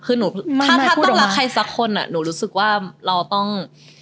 คือหนูถ้าต้องรักใครสักคนอ่ะหนูรู้สึกว่าเราต้อง